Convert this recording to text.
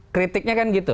kritiknya kan gitu